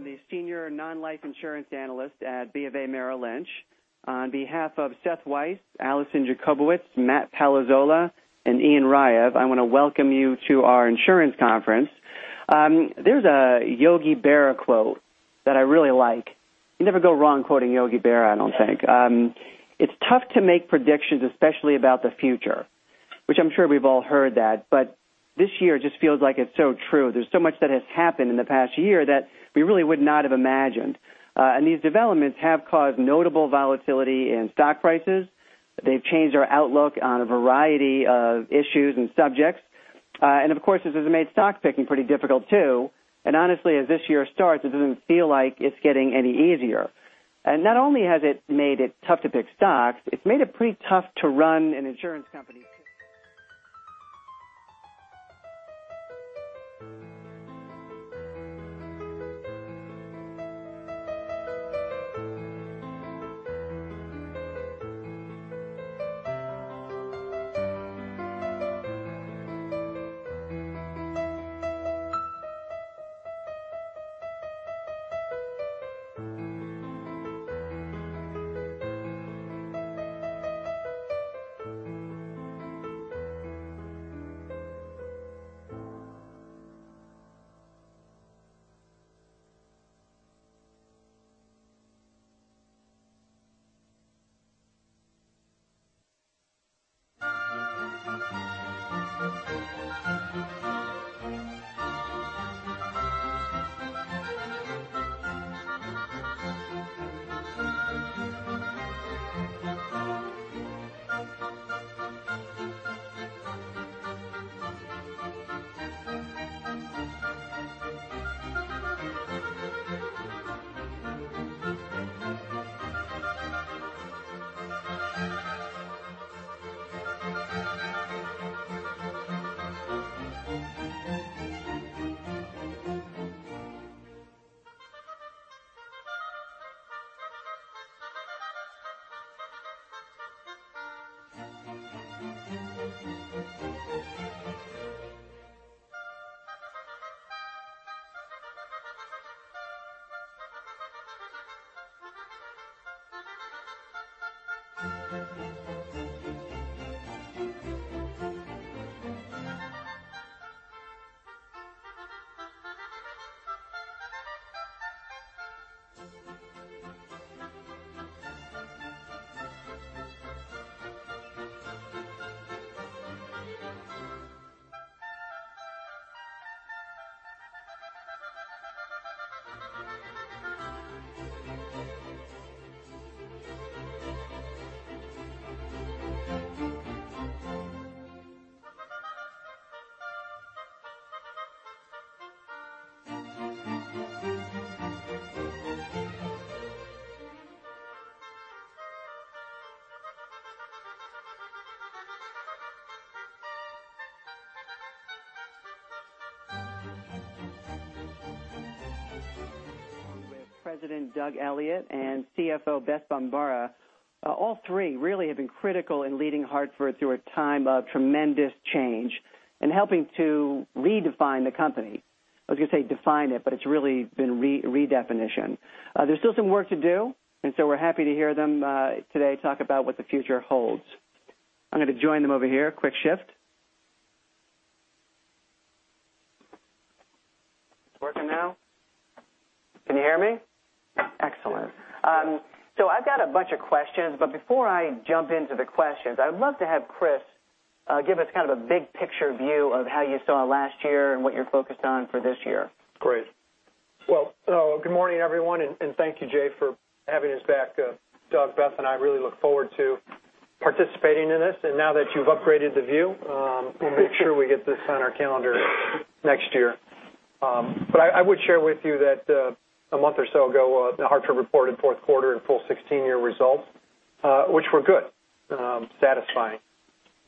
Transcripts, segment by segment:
I'm the senior non-life insurance analyst at Bank of America Merrill Lynch. On behalf of Seth Weiss, Alison Jacobowitz, Matt Palazzola, and Ian Ryvin, I want to welcome you to our insurance conference. There's a Yogi Berra quote that I really like. You never go wrong quoting Yogi Berra, I don't think. "It's tough to make predictions, especially about the future." Which I'm sure we've all heard that, but this year it just feels like it's so true. There's so much that has happened in the past year that we really would not have imagined. These developments have caused notable volatility in stock prices. They've changed our outlook on a variety of issues and subjects. Of course, this has made stock picking pretty difficult too. Honestly, as this year starts, it doesn't feel like it's getting any easier. Not only has it made it tough to pick stocks, it's made it pretty tough to run an insurance company. Along with President Doug Elliot and CFO Beth Bombara. All three really have been critical in leading Hartford through a time of tremendous change and helping to redefine the company. I was going to say define it, but it's really been redefinition. There's still some work to do, we're happy to hear them today talk about what the future holds. I'm going to join them over here. Quick shift. It's working now? Can you hear me? Excellent. I've got a bunch of questions, but before I jump into the questions, I would love to have Chris give us kind of a big picture view of how you saw last year and what you're focused on for this year. Great. Good morning, everyone, and thank you, Jay, for having us back. Doug, Beth, and I really look forward to participating in this. Now that you've upgraded the view, we'll make sure we get this on our calendar next year. I would share with you that a month or so ago, Hartford reported fourth quarter and full 2016 results, which were good, satisfying.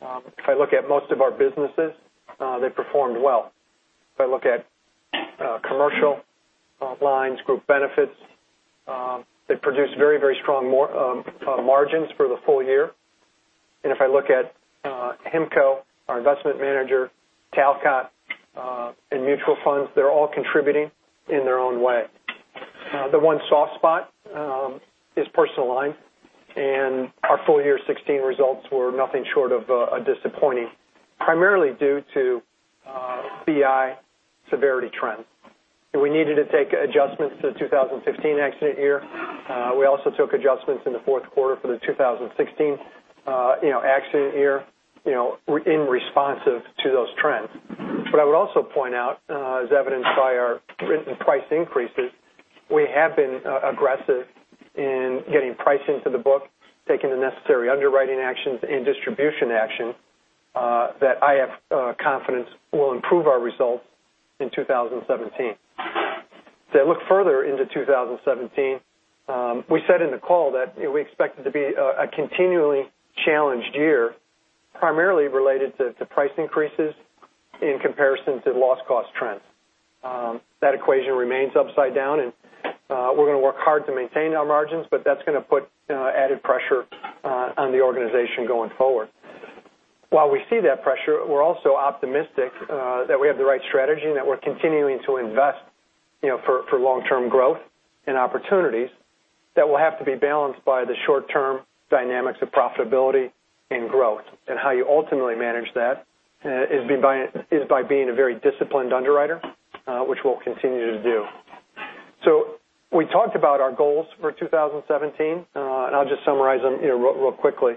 If I look at most of our businesses, they performed well. If I look at Commercial Lines, Group Benefits, they produced very strong margins for the full year. If I look at HIMCO, our investment manager, Talcott, and mutual funds, they're all contributing in their own way. The one soft spot is Personal Lines, and our full-year 2016 results were nothing short of disappointing, primarily due to BI severity trends. We needed to take adjustments to the 2015 accident year. We also took adjustments in the fourth quarter for the 2016 accident year in response to those trends. I would also point out, as evidenced by our written price increases, we have been aggressive in getting price into the book, taking the necessary underwriting actions and distribution action, that I have confidence will improve our results in 2017. As I look further into 2017, we said in the call that we expect it to be a continually challenged year, primarily related to price increases in comparison to loss cost trends. That equation remains upside down and we're going to work hard to maintain our margins, that's going to put added pressure on the organization going forward. While we see that pressure, we're also optimistic that we have the right strategy and that we're continuing to invest for long-term growth and opportunities that will have to be balanced by the short-term dynamics of profitability and growth. How you ultimately manage that is by being a very disciplined underwriter, which we'll continue to do. We talked about our goals for 2017, and I'll just summarize them real quickly.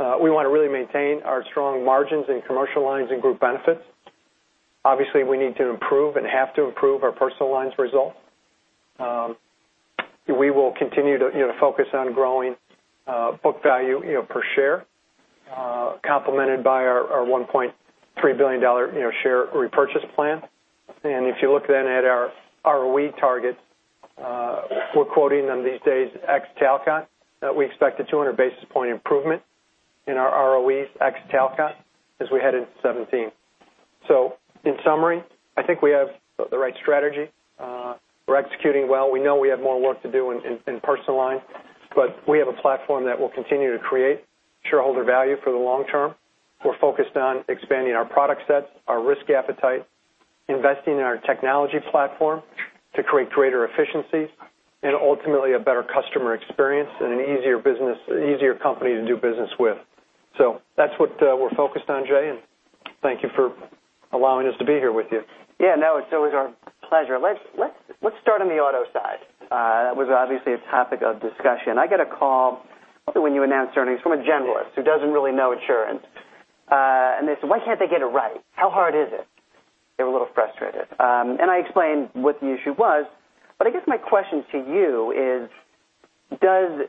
We want to really maintain our strong margins in Commercial Lines and Group Benefits. Obviously, we need to improve and have to improve our Personal Lines result. We will continue to focus on growing book value per share complemented by our $1.3 billion share repurchase plan. If you look then at our ROE target, we're quoting them these days ex Talcott. We expect a 200-basis point improvement in our ROEs ex Talcott as we head into 2017. So in summary, I think we have the right strategy. We're executing well. We know we have more work to do in Personal Lines, but we have a platform that will continue to create shareholder value for the long term. We're focused on expanding our product set, our risk appetite, investing in our technology platform to create greater efficiencies, and ultimately, a better customer experience and an easier company to do business with. So that's what we're focused on, Jay, and thank you for allowing us to be here with you. Yeah, no, it's always our pleasure. Let's start on the auto side. That was obviously a topic of discussion. I get a call when you announce earnings from a generalist who doesn't really know insurance, and they said, "Why can't they get it right? How hard is it?" They were a little frustrated. And I explained what the issue was. But I guess my question to you is, do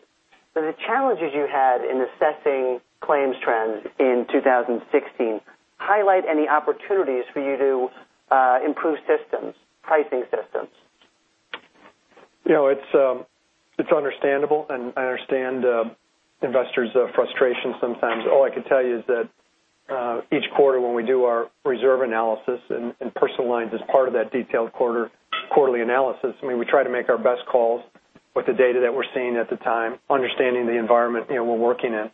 the challenges you had in assessing claims trends in 2016 highlight any opportunities for you to improve systems, pricing systems? It's understandable, and I understand investors' frustration sometimes. All I can tell you is that each quarter when we do our reserve analysis, and Personal Lines is part of that detailed quarterly analysis, we try to make our best calls with the data that we're seeing at the time, understanding the environment we're working in.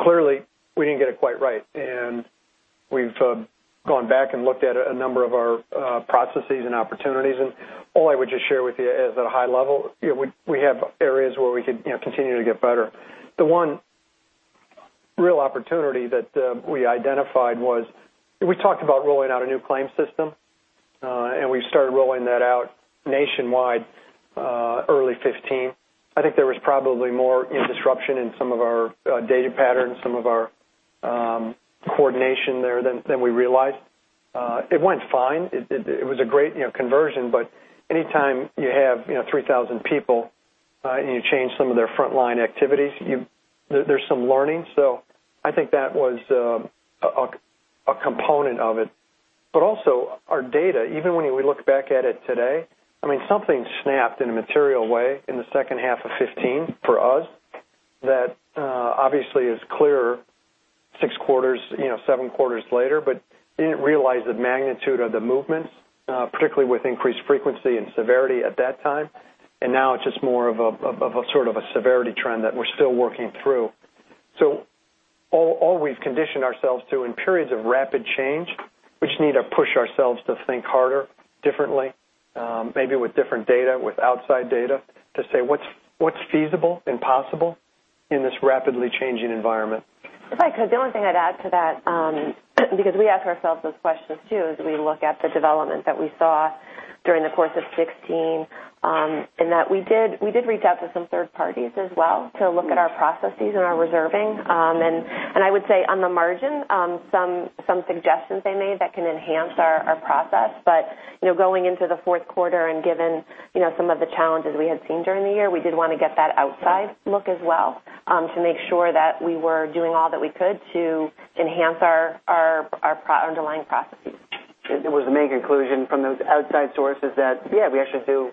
Clearly, we didn't get it quite right, and we've gone back and looked at a number of our processes and opportunities, and all I would just share with you is at a high level, we have areas where we could continue to get better. The one real opportunity that we identified was we talked about rolling out a new claims system, and we started rolling that out nationwide early 2015. I think there was probably more disruption in some of our data patterns, some of our coordination there than we realized. It went fine. It was a great conversion, any time you have 3,000 people, and you change some of their frontline activities, there's some learning. I think that was a component of it. Also our data, even when we look back at it today, something snapped in a material way in the second half of 2015 for us that obviously is clearer six quarters, seven quarters later. Didn't realize the magnitude of the movements, particularly with increased frequency and severity at that time. Now it's just more of a sort of a severity trend that we're still working through. All we've conditioned ourselves to in periods of rapid change, we just need to push ourselves to think harder, differently, maybe with different data, with outside data, to say what's feasible and possible in this rapidly changing environment. If I could, the only thing I'd add to that, because we ask ourselves those questions too, as we look at the development that we saw during the course of 2016, in that we did reach out to some third parties as well to look at our processes and our reserving. I would say on the margin, some suggestions they made that can enhance our process. Going into the fourth quarter and given some of the challenges we had seen during the year, we did want to get that outside look as well to make sure that we were doing all that we could to enhance our underlying processes. Was the main conclusion from those outside sources that, yeah, we actually do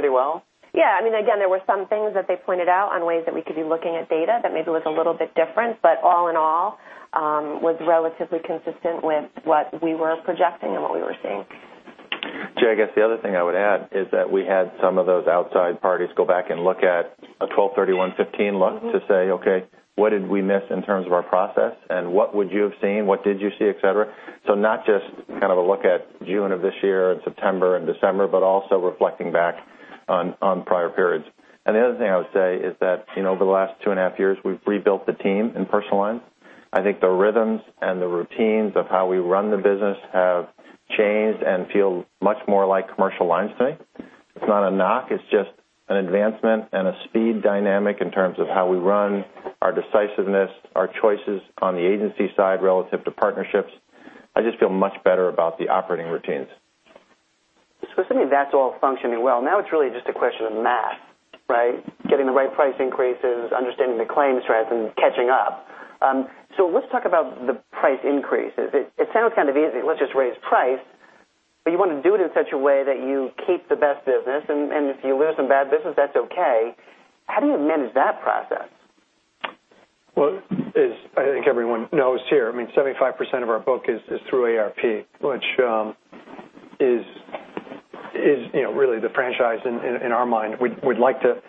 pretty well? Yeah. Again, there were some things that they pointed out on ways that we could be looking at data that maybe look a little bit different, all in all, was relatively consistent with what we were projecting and what we were seeing. Jay, I guess the other thing I would add is that we had some of those outside parties go back and look at a 31/12/2015 look to say, "Okay, what did we miss in terms of our process, and what would you have seen? What did you see?" Et cetera. Not just a look at June of this year and September and December, but also reflecting back on prior periods. The other thing I would say is that over the last two and a half years, we've rebuilt the team in Personal Lines. I think the rhythms and the routines of how we run the business have changed and feel much more like Commercial Lines to me. It's not a knock, it's just an advancement and a speed dynamic in terms of how we run our decisiveness, our choices on the agency side relative to partnerships. I just feel much better about the operating routines. Assuming that's all functioning well, now it's really just a question of math, right? Getting the right price increases, understanding the claims trends, and catching up. Let's talk about the price increases. It sounds kind of easy. Let's just raise price. You want to do it in such a way that you keep the best business, and if you lose some bad business, that's okay. How do you manage that process? Well, as I think everyone knows here, 75% of our book is through AARP, which is really the franchise in our mind. We'd like to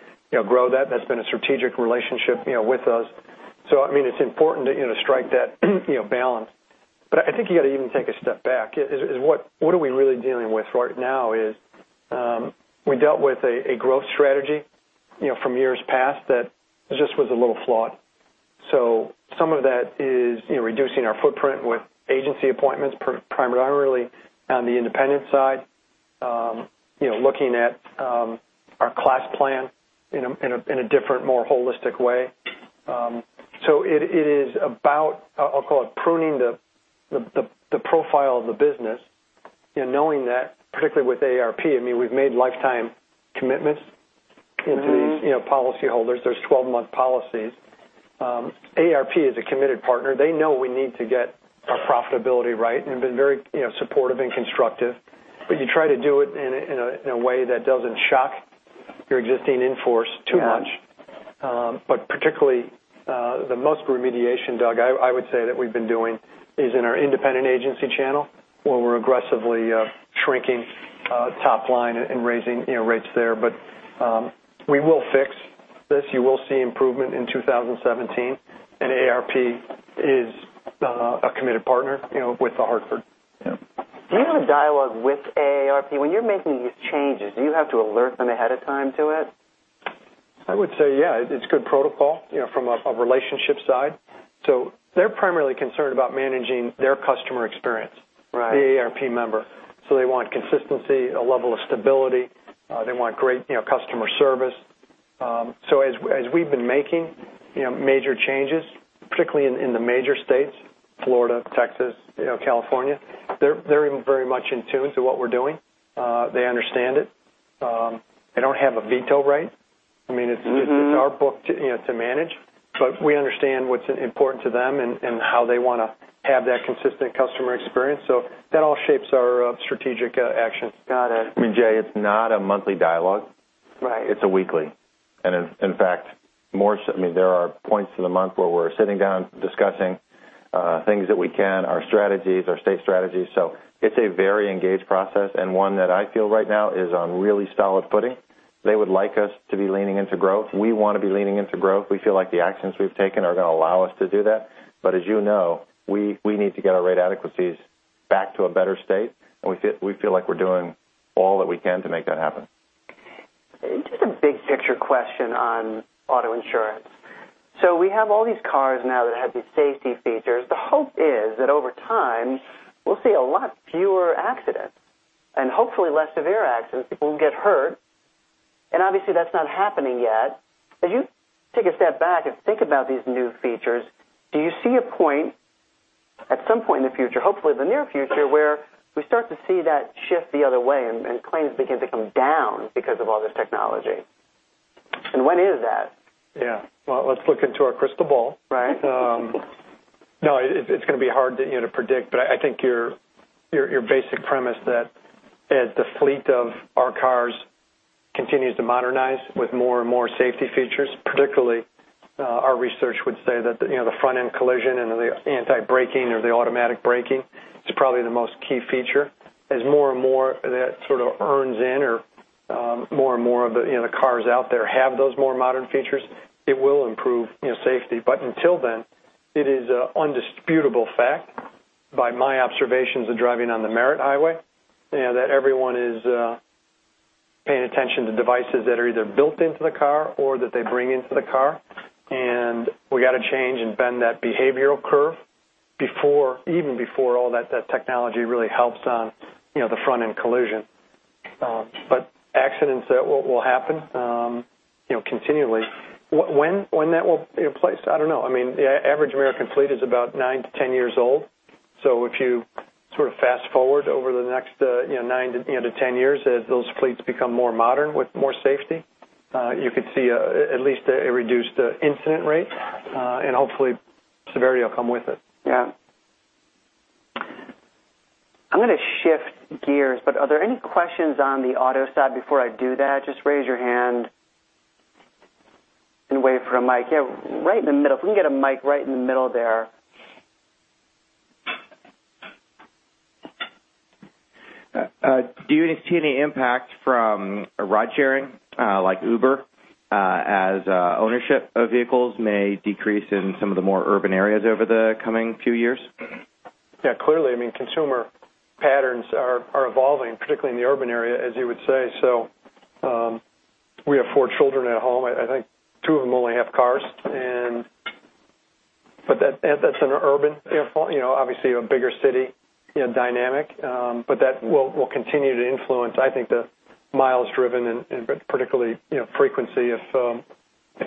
grow that. That's been a strategic relationship with us. It's important to strike that balance. I think you got to even take a step back. What are we really dealing with right now is, we dealt with a growth strategy from years past that just was a little flawed. Some of that is reducing our footprint with agency appointments, primarily on the independent side, looking at our class plan in a different, more holistic way. It is about, I'll call it pruning the profile of the business and knowing that particularly with AARP, we've made lifetime commitments into these policyholders. There's 12-month policies. AARP is a committed partner. They know we need to get our profitability right and have been very supportive and constructive. You try to do it in a way that doesn't shock your existing in-force too much. Yeah. Particularly, the most remediation, Doug, I would say that we've been doing is in our independent agency channel, where we're aggressively shrinking top line and raising rates there. We will fix this. You will see improvement in 2017, and AARP is a committed partner with The Hartford. Yeah. Do you have a dialogue with AARP? When you're making these changes, do you have to alert them ahead of time to it? I would say yeah, it's good protocol from a relationship side. They're primarily concerned about managing their customer experience. Right. The AARP member. They want consistency, a level of stability. They want great customer service. As we've been making major changes, particularly in the major states, Florida, Texas, California, they're very much in tune to what we're doing. They understand it. They don't have a veto right. It's our book to manage, but we understand what's important to them and how they want to have that consistent customer experience, so that all shapes our strategic action. Got it. Jay, it's not a monthly dialogue. Right. It's a weekly, and in fact, there are points in the month where we're sitting down discussing our strategies, our state strategies. It's a very engaged process and one that I feel right now is on really solid footing. They would like us to be leaning into growth. We want to be leaning into growth. We feel like the actions we've taken are going to allow us to do that. As you know, we need to get our rate adequacies back to a better state, and we feel like we're doing all that we can to make that happen. Just a big picture question on auto insurance. We have all these cars now that have these safety features. The hope is that over time, we'll see a lot fewer accidents and hopefully less severe accidents. People won't get hurt, and obviously, that's not happening yet. As you take a step back and think about these new features, do you see a point at some point in the future, hopefully the near future, where we start to see that shift the other way and claims begin to come down because of all this technology? When is that? Well, let's look into our crystal ball. Right. It's going to be hard to predict, but I think your basic premise that as the fleet of our cars continues to modernize with more and more safety features, particularly our research would say that the front-end collision and the anti-braking or the automatic braking is probably the most key feature. As more and more of that earns in or more and more of the cars out there have those more modern features, it will improve safety. Until then, it is an indisputable fact by my observations of driving on the Merritt Parkway, that everyone is paying attention to devices that are either built into the car or that they bring into the car. We got to change and bend that behavioral curve even before all that technology really helps on the front-end collision. Accidents will happen continually. When that will be in place, I don't know. The average American fleet is about 9 to 10 years old. If you fast-forward over the next 9 to 10 years, as those fleets become more modern with more safety, you could see at least a reduced incident rate, and hopefully severity will come with it. Yeah. I'm going to shift gears, are there any questions on the auto side before I do that? Just raise your hand and wait for a mic. Yeah, right in the middle. If we can get a mic right in the middle there. Do you see any impact from ride-sharing, like Uber, as ownership of vehicles may decrease in some of the more urban areas over the coming few years? Yeah. Clearly, consumer patterns are evolving, particularly in the urban area, as you would say. We have four children at home. I think two of them only have cars. That's in an urban, obviously a bigger city dynamic, but that will continue to influence, I think the miles driven and particularly frequency if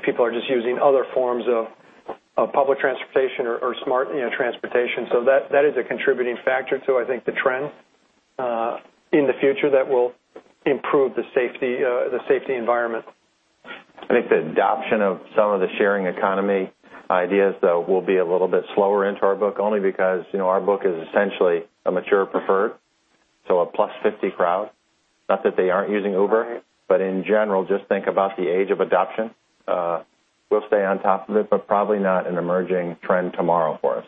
people are just using other forms of public transportation or smart transportation. That is a contributing factor to, I think, the trend in the future that will improve the safety environment. I think the adoption of some of the sharing economy ideas, though, will be a little bit slower into our book, only because our book is essentially a mature preferred, so a plus 50 crowd. Not that they aren't using Uber, but in general, just think about the age of adoption. We'll stay on top of it, but probably not an emerging trend tomorrow for us.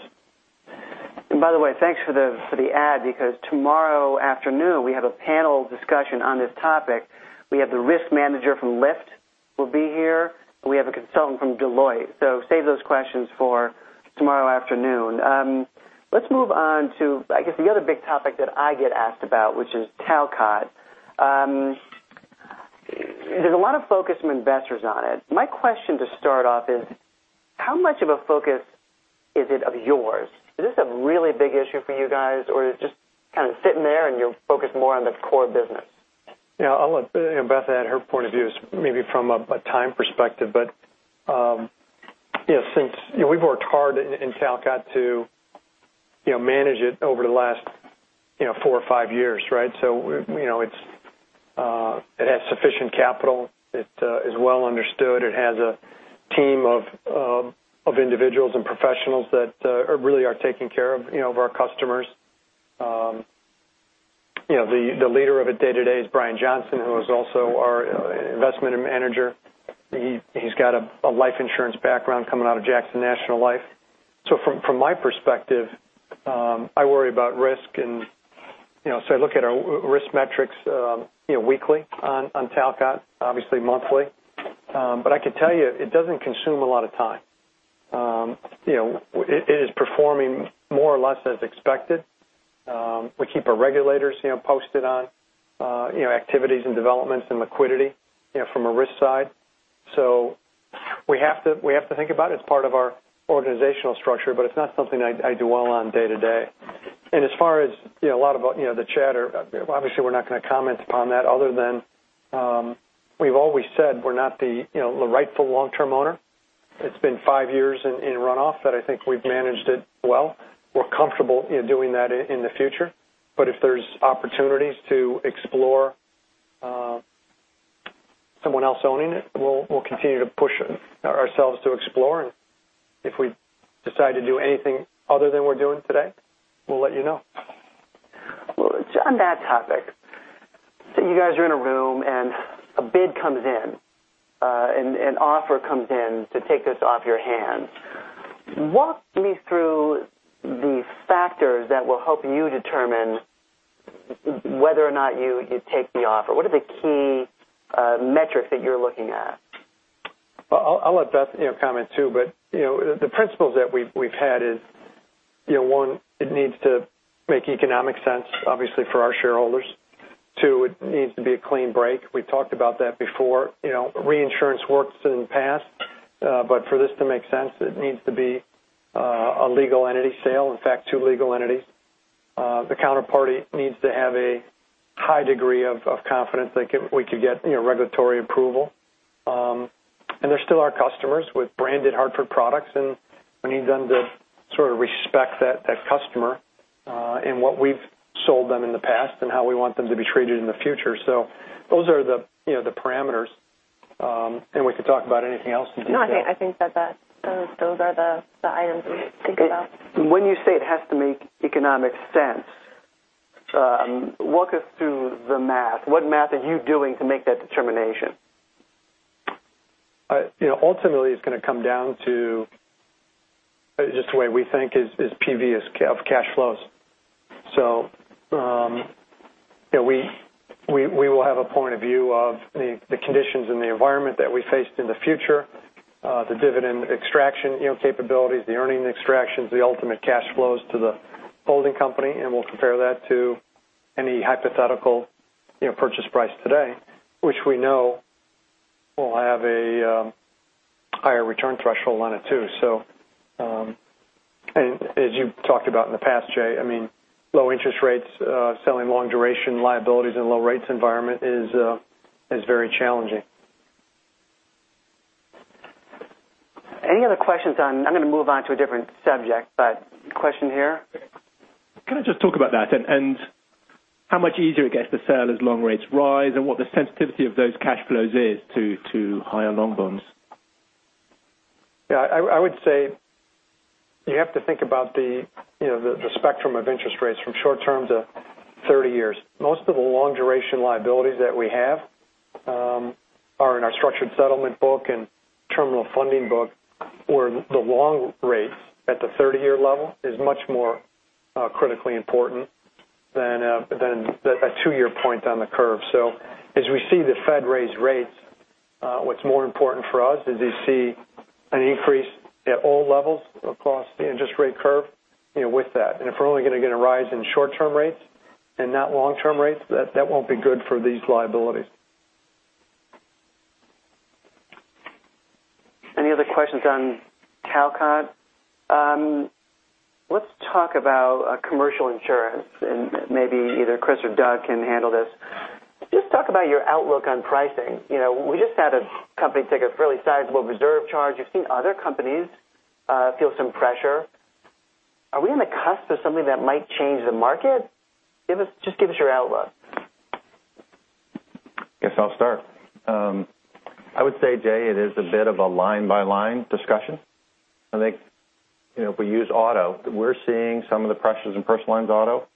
By the way, thanks for the ad, because tomorrow afternoon we have a panel discussion on this topic. We have the Risk Manager from Lyft will be here, and we have a consultant from Deloitte. Save those questions for tomorrow afternoon. Let's move on to, I guess, the other big topic that I get asked about, which is Talcott. There's a lot of focus from investors on it. My question to start off is, how much of a focus is it of yours? Is this a really big issue for you guys, or is it just kind of sitting there and you're focused more on the core business? I'll let Beth add her point of view, maybe from a time perspective. Since we've worked hard in Talcott to manage it over the last four or five years, right? It has sufficient capital. It is well understood. It has a team of individuals and professionals that really are taking care of our customers. The leader of it day-to-day is Brion Johnson, who is also our investment manager. He's got a life insurance background coming out of Jackson National Life. From my perspective, I worry about risk and so I look at our risk metrics weekly on Talcott, obviously monthly. I can tell you, it doesn't consume a lot of time. It is performing more or less as expected. We keep our regulators posted on activities and developments and liquidity from a risk side. We have to think about it as part of our organizational structure, but it's not something I dwell on day-to-day. As far as a lot about the chatter, obviously, we're not going to comment upon that other than we've always said we're not the rightful long-term owner. It's been five years in runoff that I think we've managed it well. We're comfortable doing that in the future. If there's opportunities to explore someone else owning it, we'll continue to push ourselves to explore, and if we decide to do anything other than we're doing today, we'll let you know. On that topic, say you guys are in a room and a bid comes in, an offer comes in to take this off your hands. Walk me through the factors that will help you determine whether or not you take the offer. What are the key metrics that you're looking at? I'll let Beth comment, too. The principles that we've had is, one, it needs to make economic sense, obviously, for our shareholders. Two, it needs to be a clean break. We talked about that before. Reinsurance works in the past. For this to make sense, it needs to be a legal entity sale. In fact, two legal entities. The counterparty needs to have a high degree of confidence that we could get regulatory approval. They're still our customers with branded Hartford products, and we need them to sort of respect that customer and what we've sold them in the past and how we want them to be treated in the future. Those are the parameters. We could talk about anything else in detail. No, I think that those are the items we would think about. When you say it has to make economic sense, walk us through the math. What math are you doing to make that determination? Ultimately, it's going to come down to just the way we think is PV of cash flows. We will have a point of view of the conditions and the environment that we faced in the future, the dividend extraction capabilities, the earning extractions, the ultimate cash flows to the holding company, we'll compare that to any hypothetical purchase price today, which we know will have a higher return threshold on it, too. As you've talked about in the past, Jay, low interest rates, selling long duration liabilities in low rates environment is very challenging. Any other questions on. I'm going to move on to a different subject, question here? Can I just talk about that and how much easier it gets to sell as long rates rise and what the sensitivity of those cash flows is to higher long bonds? Yeah. I would say you have to think about the spectrum of interest rates from short-term to 30 years. Most of the long-duration liabilities that we have are in our structured settlement book and terminal funding book, where the long rates at the 30-year level is much more critically important than a two-year point on the curve. As we see the Fed raise rates, what's more important for us is to see an increase at all levels across the interest rate curve with that. If we're only going to get a rise in short-term rates and not long-term rates, that won't be good for these liabilities. Any other questions on Talcott? Let's talk about commercial insurance, maybe either Chris or Doug can handle this. Just talk about your outlook on pricing. We just had a company take a fairly sizable reserve charge. We've seen other companies feel some pressure. Are we on the cusp of something that might change the market? Just give us your outlook. I guess I'll start. I would say, Jay, it is a bit of a line-by-line discussion. I think if we use auto, we're seeing some of the pressures in Personal Lines auto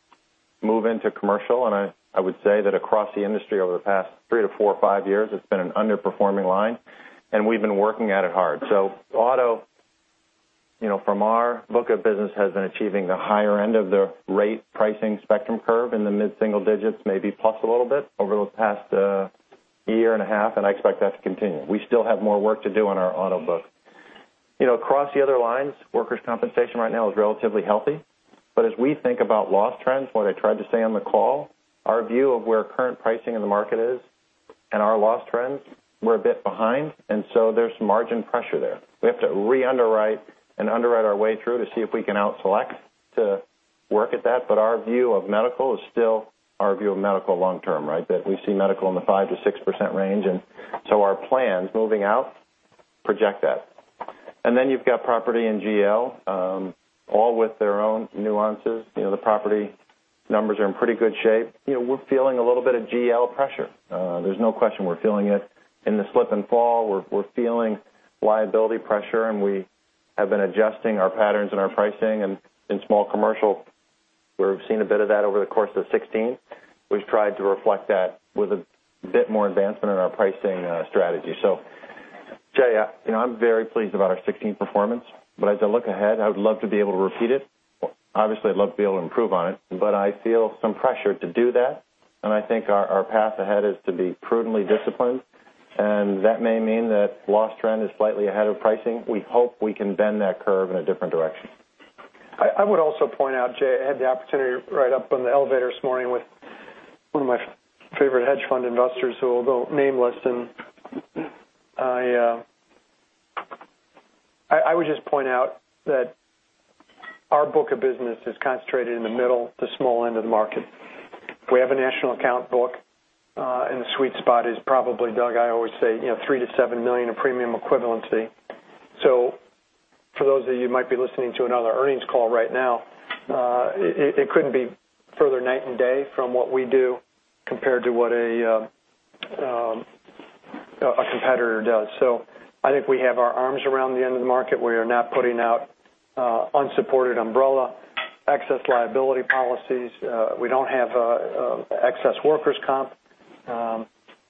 move into Commercial Lines. I would say that across the industry over the past three to four or five years, it's been an underperforming line, and we've been working at it hard. Auto, from our book of business, has been achieving the higher end of the rate pricing spectrum curve in the mid-single digits, maybe plus a little bit over the past year and a half, and I expect that to continue. We still have more work to do on our auto book. Across the other lines, Workers' Compensation right now is relatively healthy. As we think about loss trends, what I tried to say on the call, our view of where current pricing in the market is and our loss trends, we're a bit behind. There's margin pressure there. We have to re-underwrite and underwrite our way through to see if we can out-select to work at that. Our view of medical is still our view of medical long term, right? That we see medical in the 5%-6% range. Our plans moving out project that. You've got property and GL, all with their own nuances. The property numbers are in pretty good shape. We're feeling a little bit of GL pressure. There's no question we're feeling it in the slip and fall. We're feeling liability pressure, and we have been adjusting our patterns and our pricing. In Small Commercial, we've seen a bit of that over the course of 2016. We've tried to reflect that with a bit more advancement in our pricing strategy. Jay, I'm very pleased about our 2016 performance. As I look ahead, I would love to be able to repeat it. Obviously, I'd love to be able to improve on it. I feel some pressure to do that. I think our path ahead is to be prudently disciplined, and that may mean that loss trend is slightly ahead of pricing. We hope we can bend that curve in a different direction. I would also point out, Jay, I had the opportunity right up on the elevator this morning with one of my favorite hedge fund investors who will go nameless. I would just point out that our book of business is concentrated in the Middle Market to small end of the market. We have a national account book, and the sweet spot is probably, Doug, I always say, $3 million-$7 million in premium equivalency. For those of you who might be listening to another earnings call right now, it couldn't be further night and day from what we do compared to what a competitor does. I think we have our arms around the end of the market. We are not putting out unsupported umbrella excess liability policies. We don't have excess Workers' Comp.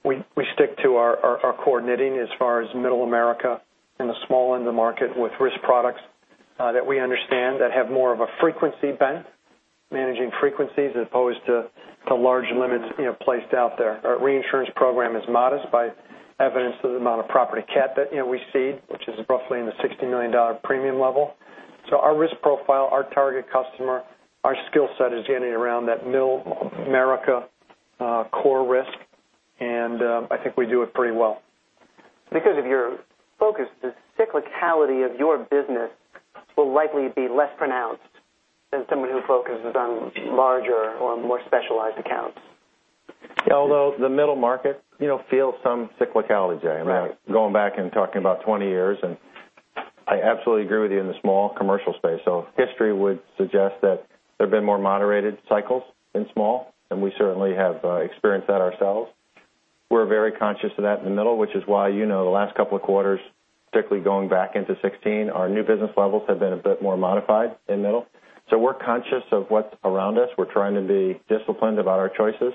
We stick to our core knitting as far as Middle America in the small end of the market with risk products that we understand that have more of a frequency bent, managing frequencies as opposed to large limits placed out there. Our reinsurance program is modest by evidence of the amount of property cat that we cede, which is roughly in the $60 million premium level. Our risk profile, our target customer, our skill set is gaining around that Middle America core risk, and I think we do it pretty well. Because of your focus, the cyclicality of your business will likely be less pronounced than someone who focuses on larger or more specialized accounts. Although the Middle Market feels some cyclicality, Jay, right? Going back and talking about 20 years, I absolutely agree with you in the Small Commercial space. History would suggest that there have been more moderated cycles in small, and we certainly have experienced that ourselves. We're very conscious of that in the middle, which is why the last couple of quarters, particularly going back into 2016, our new business levels have been a bit more modified in middle. We're conscious of what's around us. We're trying to be disciplined about our choices.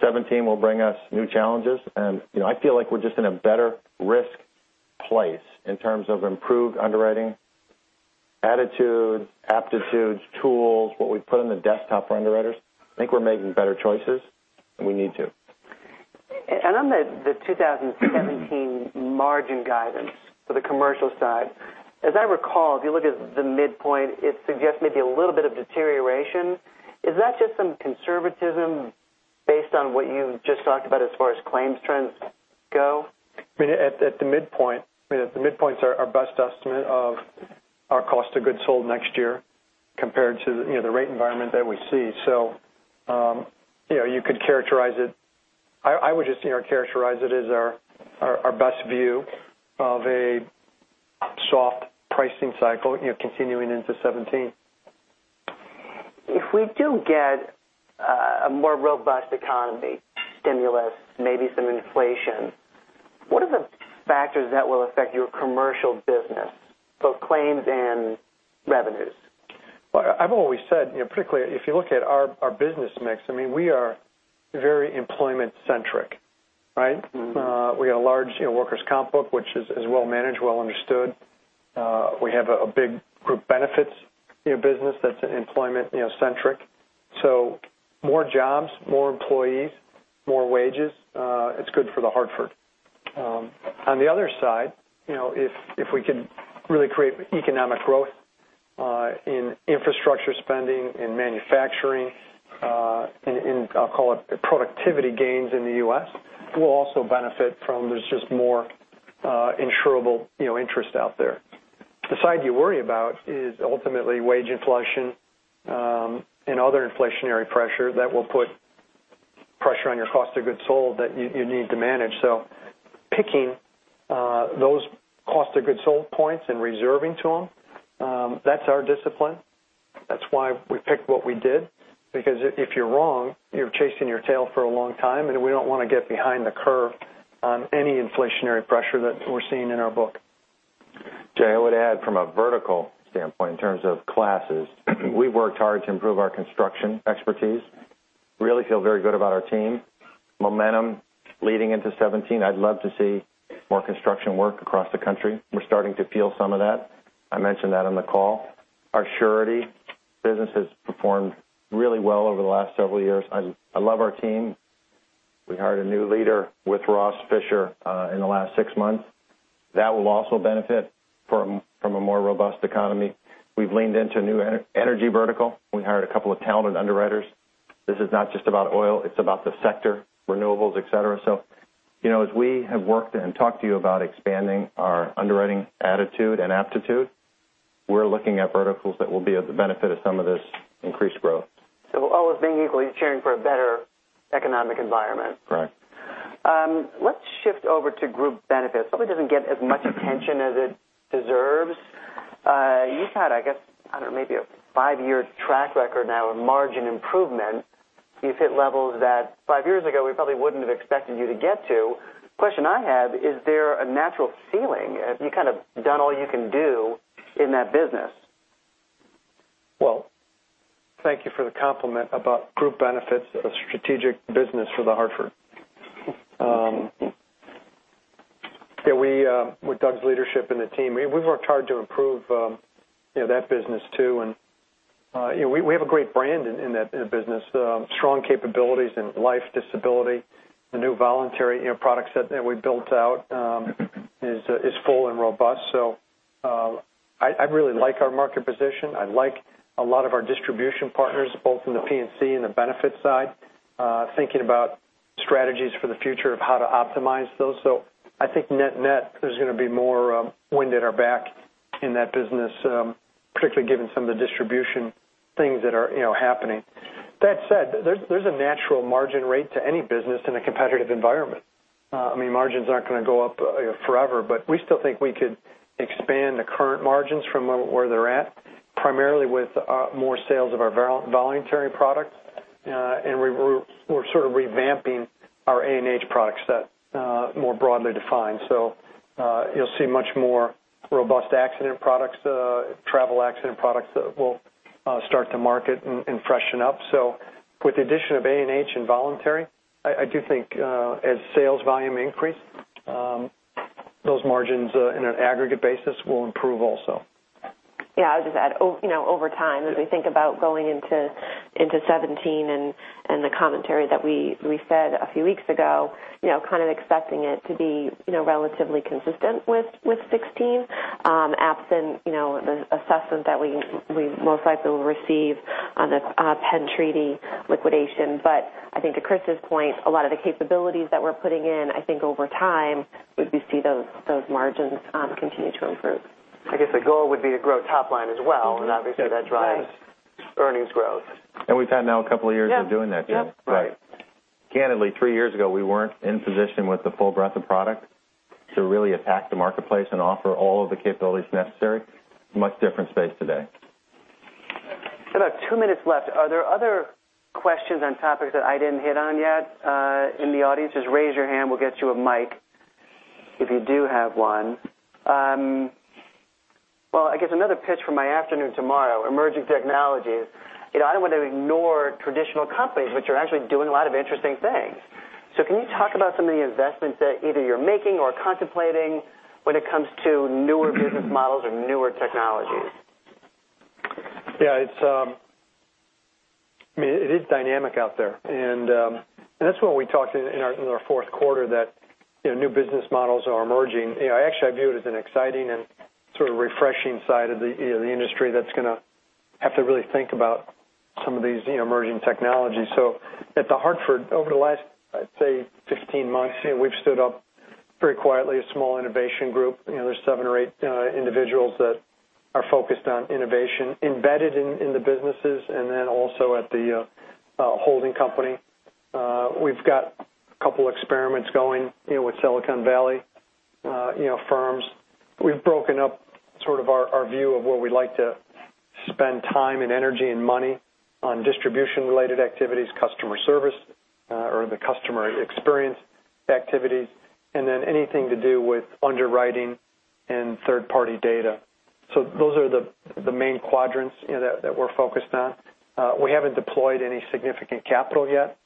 2017 will bring us new challenges, and I feel like we're just in a better risk place in terms of improved underwriting, attitude, aptitudes, tools, what we've put on the desktop for underwriters. I think we're making better choices, and we need to. On the 2017 margin guidance for the commercial side, as I recall, if you look at the midpoint, it suggests maybe a little bit of deterioration. Is that just some conservatism based on what you've just talked about as far as claims trends go? At the midpoint, our best estimate of our cost of goods sold next year compared to the rate environment that we see. You could characterize it. I would just characterize it as our best view of a soft pricing cycle continuing into 2017. If we do get a more robust economy stimulus, maybe some inflation, what are the factors that will affect your commercial business, both claims and revenues? Well, I've always said, particularly if you look at our business mix, we are very employment centric, right? We got a large Workers' Comp book, which is well managed, well understood. We have a big Group Benefits business that's employment centric. More jobs, more employees, more wages, it's good for The Hartford. On the other side, if we can really create economic growth in infrastructure spending, in manufacturing, in, I'll call it productivity gains in the U.S., we'll also benefit from there's just more insurable interest out there. The side you worry about is ultimately wage inflation, and other inflationary pressure that will put pressure on your cost of goods sold that you need to manage. Picking those cost of goods sold points and reserving to them, that's our discipline. That's why we picked what we did, because if you're wrong, you're chasing your tail for a long time, and we don't want to get behind the curve on any inflationary pressure that we're seeing in our book. Jay, I would add from a vertical standpoint, in terms of classes, we've worked hard to improve our construction expertise. Really feel very good about our team. Momentum leading into 2017. I'd love to see more construction work across the country. We're starting to feel some of that. I mentioned that on the call. Our surety business has performed really well over the last several years. I love our team. We hired a new leader with Ross Fisher in the last six months. That will also benefit from a more robust economy. We've leaned into a new energy vertical. We hired a couple of talented underwriters. This is not just about oil, it's about the sector, renewables, et cetera. As we have worked and talked to you about expanding our underwriting attitude and aptitude, we're looking at verticals that will be of the benefit of some of this increased growth. All else being equal, you're cheering for a better economic environment. Correct. Let's shift over to Group Benefits. Probably doesn't get as much attention as it deserves. You've had, I guess, I don't know, maybe a five-year track record now of margin improvement. You've hit levels that five years ago, we probably wouldn't have expected you to get to. Question I have, is there a natural ceiling? Have you kind of done all you can do in that business? Thank you for the compliment about Group Benefits, a strategic business for The Hartford. With Doug's leadership and the team, we've worked hard to improve that business too, and we have a great brand in the business. Strong capabilities in life, disability. The new voluntary product set that we built out is full and robust. I really like our market position. I like a lot of our distribution partners, both in the P&C and the benefit side. Thinking about strategies for the future of how to optimize those. I think net-net, there's going to be more wind at our back in that business, particularly given some of the distribution things that are happening. That said, there's a natural margin rate to any business in a competitive environment. I mean, margins aren't going to go up forever, but we still think we could expand the current margins from where they're at, primarily with more sales of our voluntary products. We're sort of revamping our A&H product set more broadly defined. You'll see much more robust accident products, travel accident products that we'll start to market and freshen up. With the addition of A&H and voluntary, I do think as sales volume increase, those margins in an aggregate basis will improve also. I'll just add, over time, as we think about going into 2017 and the commentary that we said a few weeks ago, kind of expecting it to be relatively consistent with 2016. Absent the assessment that we most likely will receive on this Penn Treaty liquidation. I think to Chris's point, a lot of the capabilities that we're putting in, I think over time, we see those margins continue to improve. I guess the goal would be to grow top line as well, obviously that drives earnings growth. We've had now a couple of years of doing that too. Yep. Right. Candidly, three years ago, we weren't in position with the full breadth of product to really attack the marketplace and offer all of the capabilities necessary. Much different space today. About two minutes left. Are there other questions on topics that I didn't hit on yet? In the audience, just raise your hand, we'll get you a mic if you do have one. Well, I guess another pitch for my afternoon tomorrow, emerging technologies. I don't want to ignore traditional companies which are actually doing a lot of interesting things. Can you talk about some of the investments that either you're making or contemplating when it comes to newer business models or newer technologies? I mean, it is dynamic out there, and that's what we talked in our fourth quarter. New business models are emerging. Actually, I view it as an exciting and sort of refreshing side of the industry that's going to have to really think about some of these emerging technologies. At The Hartford, over the last, I'd say 15 months, we've stood up pretty quietly a small innovation group. There's seven or eight individuals that are focused on innovation embedded in the businesses, and then also at the holding company. We've got a couple experiments going with Silicon Valley firms. We've broken up sort of our view of where we like to spend time and energy and money on distribution-related activities, customer service or the customer experience activities, and then anything to do with underwriting and third-party data. Those are the main quadrants that we're focused on. We haven't deployed any significant capital yet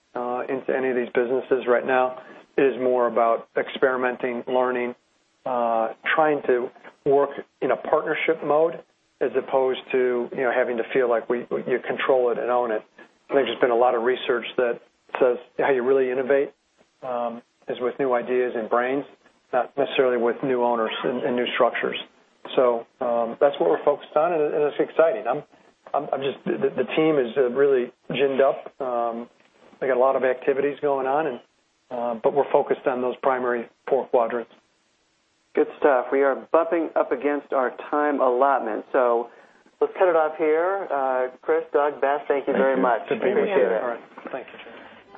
into any of these businesses right now. It is more about experimenting, learning, trying to work in a partnership mode as opposed to having to feel like you control it and own it. There's just been a lot of research that says how you really innovate is with new ideas and brains, not necessarily with new owners and new structures. That's what we're focused on, and it's exciting. The team is really ginned up. They got a lot of activities going on. We're focused on those primary four quadrants. Good stuff. We are bumping up against our time allotment. Let's cut it off here. Chris, Doug, Beth, thank you very much. We appreciate it. Thank you.